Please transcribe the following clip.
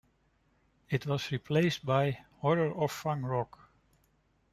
It was replaced by "Horror of Fang Rock".